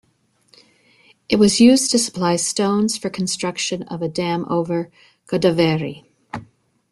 It was used to supply stones for construction of a dam over Godavari.